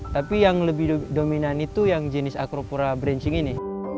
tapi yang lebih dominan itu yang jenis acropora branching ini